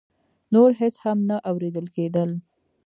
نور هېڅ هم نه اورېدل کېدل.